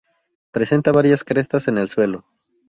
Presenta varias crestas en el suelo.